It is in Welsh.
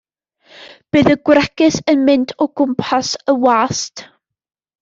Bydd y gwregys yn mynd o gwmpas y wast.